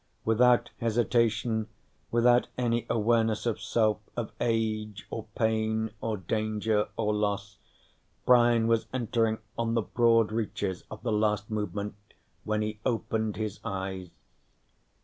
_ Without hesitation, without any awareness of self, of age or pain or danger or loss, Brian was entering on the broad reaches of the last movement when he opened his eyes.